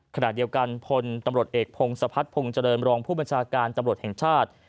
ขณะเดียวกันพลตำรวจเอกพงศพัฒนภงเจริญรองผู้บัญชาการตำรวจแห่งชาติ